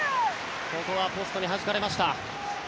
ここはポストにはじかれました。